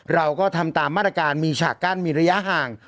เราก็ทำตามมาตรการมีฉากกั้นมีระยะห่าง